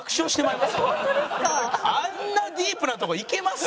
あんなディープなとこ行けます？